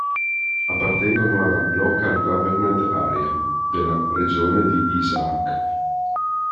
Appartengono alla "Local government area" della Regione di Isaac.